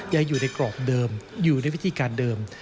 ยังอยู่ในกรอบเดิมอยู่ในวิธีการเดิม